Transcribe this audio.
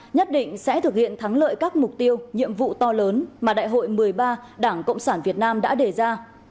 nhất định sẽ thực hiện thắng lợi các mục tiêu nhiệm vụ to lớn mà đại hội một mươi ba đảng cộng sản việt nam đã đề ra